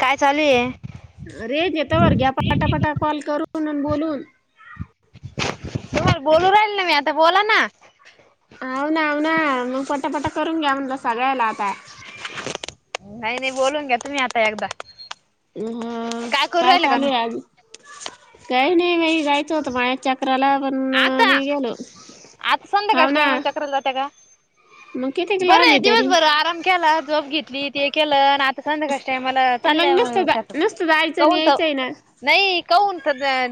काय चालू हाय? अरे देतावर घ्या पटापटा कॉल करून आन बोलून. होय बोलून राहिले नव्हे, आता बोला ना. हावना, हावना. मग पटापटा करून घ्या म्हणलं सगळ्याला आता. नाही नाही बोलून घ्या तुम्ही आता एकदा. हा करू काय राहिला का नू चालू हाय आज? काही नाही म जायचं होत मळ्याच्यात. रायला पण आता नाही गेलो, आता हाव संध्याकाळच्या ना टायमाला चक्र जाते का मग. कितीक बरं लांब आहे तरी? दिवसभर आराम केला, झोप घेतली. ते केलं आणि आता संध्याकाळच्या टायमाला आणि मग नुसतं जा चाललंय नुसतं जायचं [unintelligible] आणि कौंत यायचंय ना. नाही काहून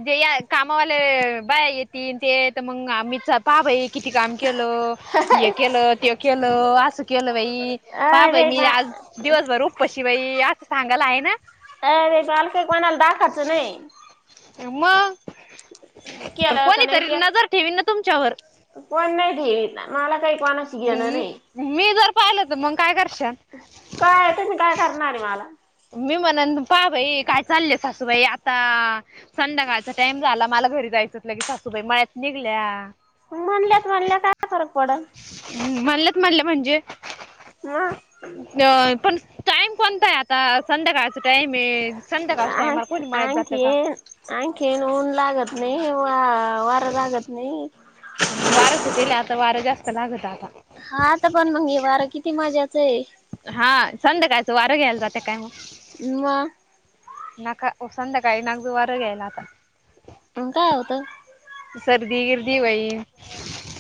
जे या कामावाले बाया येतील, ते तर मग आम्ही जपाबाई, किती काम केलं. हे केलं, ते केलं, असं केलं बाई. पाह बाई अरे मी बा आज दिवसभर उपाशी बाई, असं सांगायला आहे ना? काय रे झाल की, कोणाला दाखाचं नाही. मग, आर केलं का नाही कोणीतरी के नजर ठेवीन ना तुमच्यावर. कोण नाही दित, मला काही कोणाचं येणार नाही. मी जर पाहिलं तर मग काय करशाल काय आतातरी काय करणार हाय मला. मी म्हणन, का बाई काय चाललेय सासूबाई आता? संध्याकाळचा टाइम झाला, मला घरी जायचं. लगी सासूबाई मळ्यात निघल्या. म्हणल्यात म्हणलं काय फरक पडल? म्हणलेत म्हणले, म्हणजे मग अ पण टाइम कोणतं हाय आता, संध्याकाळचा टाइम आहे, संध्याकाळच्या टायमाला कोणी मळत जातं का? आणख ऊन लागत नाही, वा वार लागत नाही. वारं सुटेला, आता वारं जास्त लागतं आता. हा आता पण मग हे वार किती मजाचं हाय? हा संध्याकाळचं वार घ्यायला जात काय मग ना म नका संध्याकाळी [inaudible] वारं घ्यायला आता. मग काय होतं? सर्दी गिर्दी व्हैन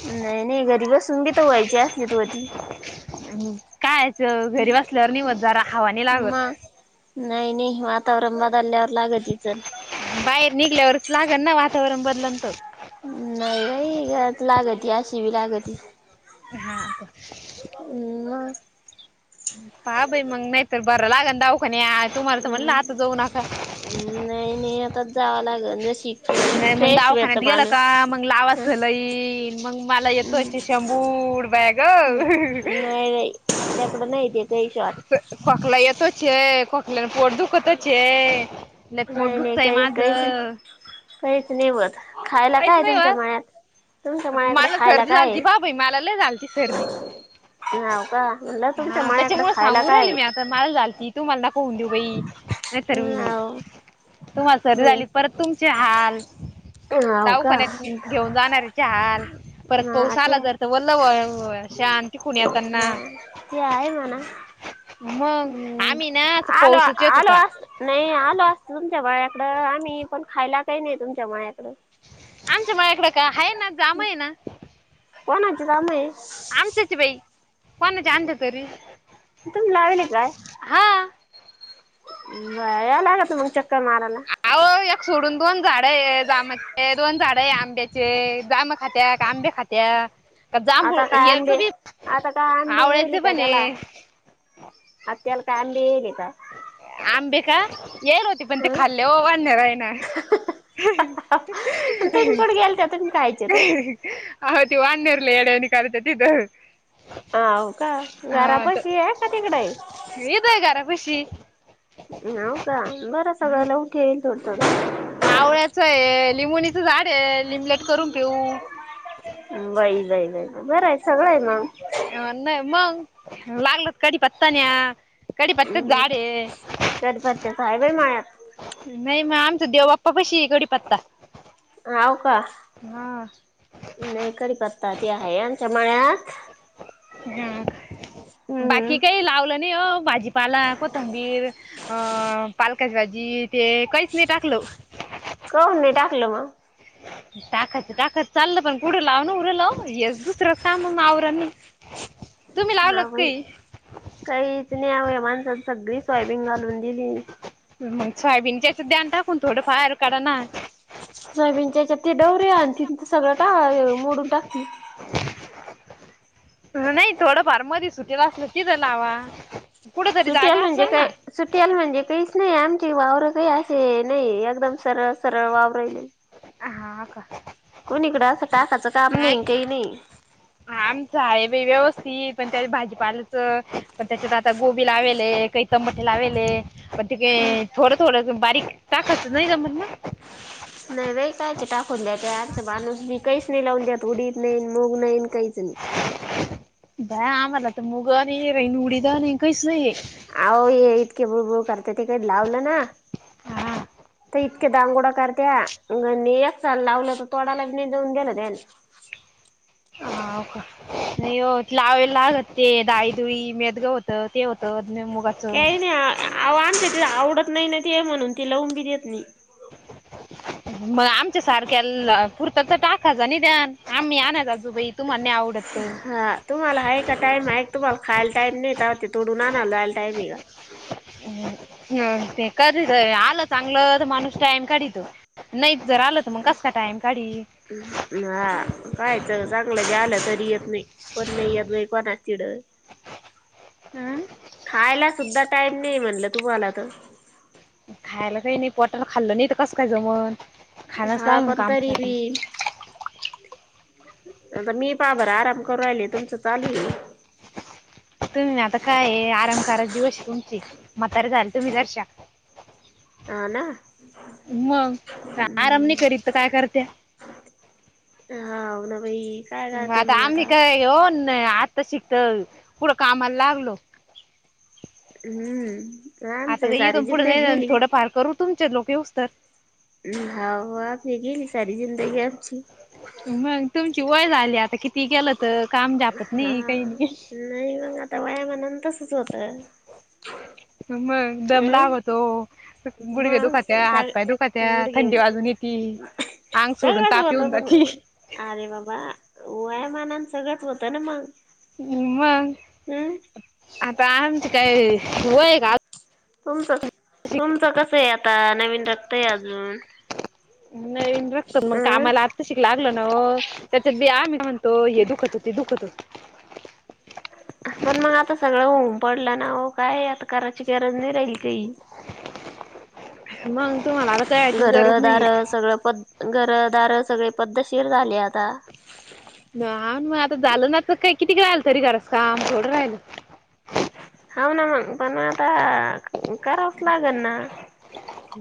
नाही, नाही घरी घसून घी तर व्हायचे असली त वती कायच घरी बसल्यावर निवत जरा हवानी लागत मग नाही, नाही वातावरण बदलल्यावर लागती तचण बाहेर निघल्यावरच लागण ना वातावरण बदललत नाही बाई लागती अशी बी लागती हा तर हम् पाहा बाई मग नाहीतर बर लागन दवाखान्यात तुम्हालाच म्हणलं आता जाऊ नका नाही, नाही आताच जावं लागेल ज शिक नाही मग दावाखान्यात गेलं का मग लावासलय मग मला येतो हम्म शंभू बया नाही बाई नाही ते काही शॉट कोकला येतोच कोकल्याने पोट दुखतच लय पोट नाही नाही दुखतय काही माझ काहीच काहीच नाही मत खायला काय नाही तुमच्या होत. मळ्यात तुमच्या माळ्याकडे मला खायला सर्दी काय झालती आहे? बा भाई मला ल झालती सर्दी हाव का म्हणलं तुमच्या हा माळ्याकडे त्याच्यामुळे खायला सांगून काय राहिली मी आता मल झाल ती तू मला दख होऊन देऊ बाई नाहीतर ना व्ह तुम्हाला सरी झाली परत तुमचे हाल दाऊखान्यात घेऊन जाणार [inaudible] म ते आहे वल्ल शान तिकून येताना नाही ते आहे म्हणा मग हम्म आम्ही ना अस आलो पाऊसच येत आलो होता असत नाही आलो अस तुमच्या माळ्याकडं आम्ही पण खायला काही नाही तुमच्या माळ्याकडं आमच्या मळ्याकडं का ह ना काम आहे ना कोणअची जाम आहे आमच्याच बाई कोणाच्या आणल्या तरी तुम्ही लावेल काय हा बया यावं लागत मग चक्कर मारायला आव एक सोडून दोन झाड ये जाम दोन झाड आंब्याचे जांब खात्या का आंबे खात्या का जांभू येरच बी अत का अंबी आवळ्याचे येल का पण तेला आहे मत्याल का अंबी येल का आंबे का लागले होते पण ते हं खाल्ले हो वन्यरायण तुम्ही कुठे गेलत्या तुम्ही खायचे तर आव ती वाण्यारं एड्यान कर त्यात इथ हा होव का घरापशी आहे का तिकड. इथं आहे घरापशी नव का बरं सगयला ऊट हे थोडं थोडं आवळ्याच आहे, लिंबणीचं झाड आहे लिंबलेट करून पिऊ बाई, बाई, बाई बरं आहे सगळं आहे मग नाही मग लागलत कडीपत्ता न्या कढीपत्त्याच झााडे कडीपत्त्याच आहे बाई मळ्यात नाही मग आमचा देवप्पा कशी आहे कडीपत्ता हव का हा नाही कडीपत्ता ती आहे आमच्या मळ्यात हा हम्म बाकी काही लावलं नाही ओ भाजीपाला, कोथंबीर अ पालकाची भाजी ते कहीच नई टाकल काउन नाही टाकलं मग [inaudible] टाकात टाकत चाललं पण पुढं लाव ना उढं लाव ये दुसरं काम आवर. [inaudible] ह भाई काहीच नाहीव माणस सगळी सोयाबीन घालून दिली. मग सोयबीनच्या अस ध्यान टाकुन थोडं बाहेर काढ ना. सयबींच्याच्या ते डवर्या आणि तिच सगळं टा मोडून टाकतील. नाही थोडंफार मध सुटेलं असल तिथं लावा कुठ तरी जागा असेल ना. सुटीला म्हणजे काहीच नाही आमची वावरं काही असे नाही एकदम सरळ सरळ वावरले. ह हा अ का? कोणी इकडं असं, काकाचं काम नाही काही नाही. आमच आहे व्यवस्थित पण त्या भाजीपाल्याचं पण त्याच्यात आता गोबी लावेले काही. च मठे लावेले पग तिके हम्म थोडं थोडं बारीक का खचत नाही जमट ना. नाही वेटायच टाकून देत. अर्थ माणूस बी काहीच नाही लावून देत, उडीत नाही ईन मूग नाहीन काहीच नाही. बाय आम्हाला तर मुग आणि राहीन, उडीद आणि काहीच नाही. अहो ये इतके बुळूबुळू करते तिकडे लावलं ना हा तर. दांगोडा करत्या आणि एक साल लावलं तर तोडाला निजवून गेलं त्यानी. ह का, नहीं ओ लावएला लागत ते दाळी मेद्ग होत. तर ते होतं अ मुगाचं. काही नाही अहो आमच ति आवडत नाही ना ते म्हणून ती लवूनबी देत नाही. [inaudible] मग आमच्या सारख्या पुरत तर टाकहज निदान आम्ही आण अन जाताना बाई. तू म्हणी आवडत. हा तुम्हाला आहे का टाईम आहे एक तुम्हाला खायला टाईम नाहीेत ते तोडून आण लावायला टाईम आहे का. ह ते कधी तरी आलं चांगलं तर माणूस टाइम काढीतो. नाही जर आलं तर मग कस का टाइम काढी. हा कायच चांगलं झालं तरी. वे कोनी अपले कोणाचीड. अं खायला सुद्धा टाईम नाही म्हणलं तुम्हाला तर. खायला काही नाही पोटाला खाल्ल नाही तर कसं काय जमन खायलाच हा लागन पण तरी कामासाठी. बी आता मी बाभर आराम करू राहिले तुमचं चालू आहे. [inaudible] तुम्ही आता काय ये, आराम करा चे दिवस ये तुमचे मातार झाली तुम्ही जराशा. [inaudible] आ ना आराम नाही अम्. करीत तर काय करत्या हा हो ना भाई. ग आता आम्ही काय येऊन आत्ता शिकत कुढं कामाला लागलो. हम्म. आता का आमची सारी येऊन पुढे जिंदगी नाही गेली थोडं फार करू तुमचे लोक येऊच तर. म हा हो आ गेली सारी जिनंद की आमची. मग तुमची वय झाली आता, किती गेलं तर काम जापत हा नाही काही नाही. नाही मग आता वयामान तसच होत. मग दम अं लाग होतो. गुडगे मग दुखत्या, सग हातपाय दुखत्या गुडघे थंडी बाजून येतं. ती आंग सोडून सगळंच तापन येऊन होतं पण जाती. अरे बाबा वयामानान सगळंच होतं ना मग. मंग. हम्. आता आमच काय वय हे का? आ तुमचं तुमचं कस आहे आता नवीन रक्त आहे अजून. नवीन रक्त मग अं कामाला आत्ता शिक लागलं ना हो त्याच्यात बी आम्ह तो हे दुखतं ते दुखतं. पण मग आता सगळं ऊन पडलं ना, हो काय आता करायची गरज नाही राहील काही. मग तुम्हाला आता कराचीच घर गरज दार नाहीे. सगळं पद्ध. घरदार सगळे पद्धतशीर झाले आता. हा मग आता झालं ना तर किती काही घरास काम थोडं राहिल. हाव ना मग पण म आता करावच लागल ना.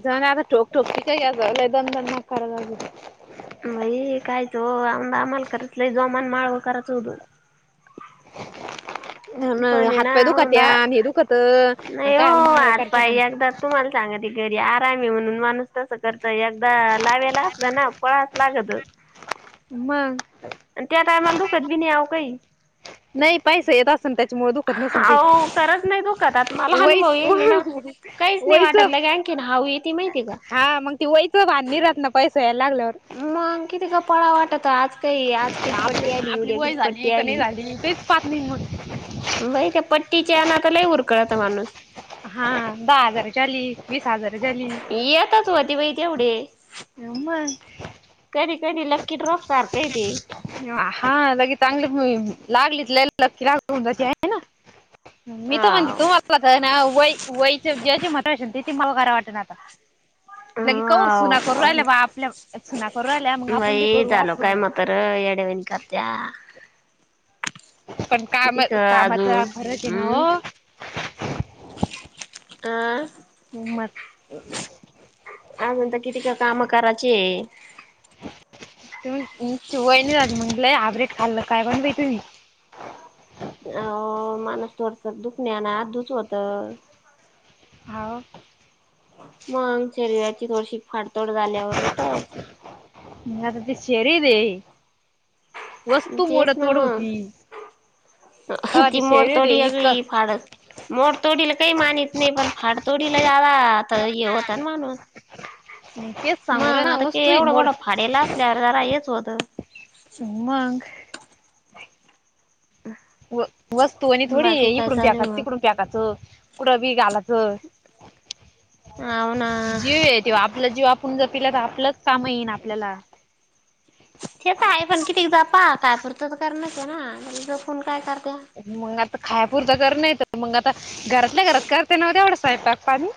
जाण आता ठोक ठोकती का याचं लय दणदणाय कराय लागली. मळी काय जो आमदा आम्हाला खरंच लय जोमान माळ कराच होत ओ. [inaudible] पण [unintelligible] आहे ना हातपाय औंदा दुखत्यान, हे दुखतं. आन नाही हो कायम माळव हात करता का पाय आणि? एकदा तुम्हाला सांगती घरी आराम म्हणून माणूस तसं कर तर एकदा लावेला असलं ना पळायच लागत. मग आणि त्या टायमाला दुखदबी नाही अहो काही. नाही पैसे येत असन त्याच्यामुळं दुख आओ खरंच नाही दुखत आता मला अनुभव येईल ना, वहीच काहीच नाही वहीच वाटत ना अग किन हाऊ येते माहिती हाय का? हा मगं ते वैच भाण नाही राहत ना पैसे यायला लागल्यावर. मगं कीती कपाळा वाटत आज. कय आज किती आपली पट्टी आली आपली उद्या वय किती पट्टी झाली का नाही आली. झाली तेच पाहत नाही मग बाई त्या पट्टीच्यानं आता लई उरकळत माणूस. हा दहा हजार झाली, वीस हजार झाली. एकच व्हती बाई तेवढे. हाव म कधीकधी लक्की ड्रॉप सारख हाय ते. हा लगे चांगली लागलीत, लय लकी लागु जाते आहे ना. मी तर म्हणते, हाव तुमला तर ना वय वयच्या ज्याची म्हता शमतेती मला खरा वाट ना आता. लगे काहो सुना करू राहिल्या बघा आपल्या, सुना करू राहिल्या मग आप काही झालो काय म्हातार येड्या वाणी कर्त्या. पण काम किती क कामाचा अजून फरक आहे ना हम्म हो. आं मग काय म्हणता किती कर कामं करायचीये. तुम्ही हम्म तुमची वहिनी राहत, मग हायब्रीड खाल्लं काय पण बी तुम्ही? आओ माणूस थोडस दुख न्याना आतुच होत. हा अ. मग शरीराची थोडीशी फाडतोड झाल्यावर होतच. मग आता ते शेरीर रे. वस्तू मोड तेच ना थोड मग होती हा ती ते शरीर हे मोडतोडी इतक. वेगळी फाड मोडतोडीला काही मानीत नाही पण फाडतोडीला ज्यादा आता हे होता ना म्हणून. हंम्म ते मंग आता के एवढा गोडा फाडेला असल्यावर जरा हेच होतं. मग. व वस्तू आणि थोडी बाकी काय इकडून चालू प्याचाच मग? तिकडून. पॅक असं कुडबी घालाच. हाव ना [unintelligible] तेव्हा आपलाच जीव आपुण जपिला तर आपलंच कामा येईना आपल्याला. तेच आहे पण किती जपा काय पुुरतं तर करणच हाय ना. झोपून काय करते? मंग आता खायपुरतं कर नाही तर मग आता घरातल्या घरात करते नाव तेवढं स्वयंपाक पाणी.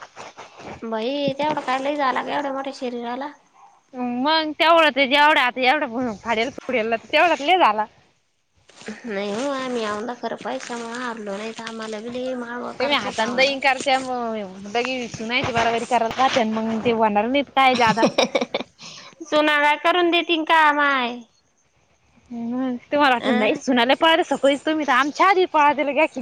बई तेवढं काय लय झाला एवढ्या मोठ्या शरीराला. मंग तेवढंच आहे जेवढं आता एवढं फडेल पुढेल तेवढंच लय झाल. नाही हो आमही आवला खर पैसा मुळे हारलो नाही का आम्हाला [unintelligible] [unintelligible] तुमी होता हातानं औंदा. दैनं करत्या म बघ विसरून या, ते बराबरी कराला का मग ते, वनार नाही काय जादा. सुनाव्या करून देतीन का माय. हम्म तुम्हाला वाटत नाही अं सुनायला पळा सगळीच तुम्ही तर आमच्या आधी पळा दिला ग घ्या की.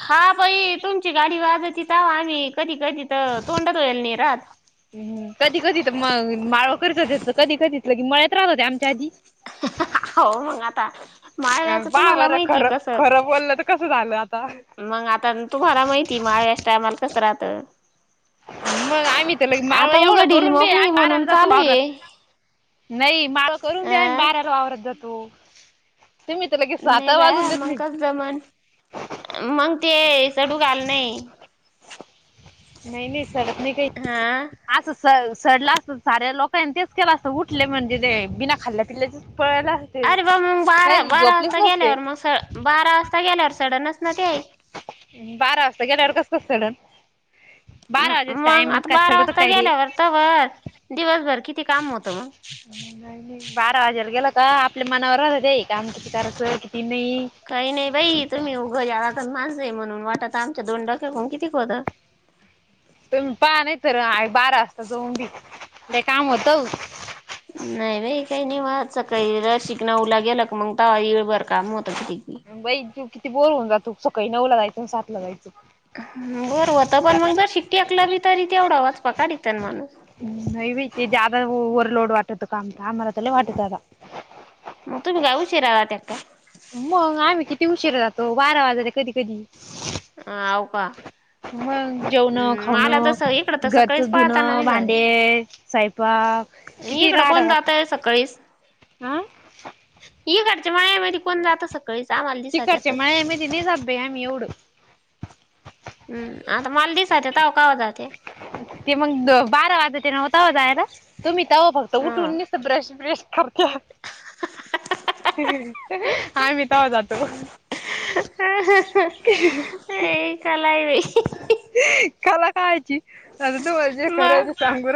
हा बाई तुमची गाडी वाजयची तवा, आम्ही कधी कधी तर तोंडातईल नाही राहात. हम्, कधी कधी तर मग माळव करीत होते. कधी कधी की मळ्यात राहत होते आमच्या आधी. हो मंग आता. माळव्याचं बा तुम्हाला बरं माहिती खरं, कसं खरं बोललं तर कसं झालं आता. मग आता तुम्हाला माहिती, माळव्याच्या टायमाला कसं राहत. मग आम्ही तर लै माळव एवढं, उघडील करून बी मोकळी आम्ही बाराला म्हणून जातो चालू वावरात. आहे नाही मला करून द्या, अं बाराला वावरत जातो. तुम्ही मत लगेच. सात नाही बा वाजून देत मंग नाही कसं जमन मंग ते सडू घाल नाही. नाही नाही सडत नाही काही, हा असं स -सडलं असत साऱ्या लोक. तेच केलं असतं. उठले म्हणजे, ते बिना खाल्ल्या पिल्याचेच पळाल‌ अस अरे, बाबा मग बारा बारा वाजता गेल्यावर, मग स- बारा वाजता गेल्यावर सडनच ना ते. बारा वाजता गेल्यावर कस, कस सडण. मग आता बारा वाजता गेल्यावर, तवर दिवसभर किती काम होत मंग. ऑनलाइन हे बारा वाजेला गेलं का आपल्या मनावर राहतं ते काम किती करायचं किती नाही. काही नाही बाई तुम्ही उघं या तर माजं ये, म्हणून वाटत आमच्या दोन डोकेकून किती खोद. तुम्ही पहा नाही तर, बारा वाजता जाऊन बी ते काम होत. नाही बाई काही नाही म सकाळी रा शिकणं उला गेला क मग ता येईल बरं काम होत किती बाई किती बोर होऊन जातो, सकाळी नऊ ला जायचं सात ला जायचं. बरं होतं पण मग जर शिकटीऐकला बी तरी तेवढा वाचपा काडीतेन माणूस. हम्, नाही बाई ते जादा ओर लोड वाटत काम आम्हाला तर लै वाटतं बा. मग तुम्ही का, उशिरा जाते का. मग आम्ही किती उशीरा जातो, बारा वाजले कधी कधी. आव का [unintelligible] जेवणं हम्म मला खावणं तसं इकडं तर घरच, सकाळीच पळताना धुणं भांडे दिसात्या सईपाक. इकडं कोण जातंय सकाळीच. हां. इकडं च्या मायामध्ये कोण जात‌ असतं. कै सा आलते. ती करते. मया मधी नाही जात, बाई आम्ही एवढं. हम्, आता मला दिसतं, तवा कवा जाते. ते मग बारा वाजता ते, नवता जायला आहे ना तुम्ही. तेव्हा फक्त ह उठून निस्त ब्रश बेश करते. आम्ही तवा जातो. ह ह ह ए कला आहे बाई. कला खायची आता, तू म्हजे खराय मग ते सांग.